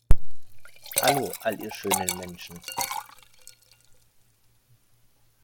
Hallo, all ihr schönen Menschen.